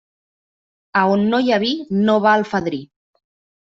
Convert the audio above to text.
A on no hi ha vi, no va el fadrí.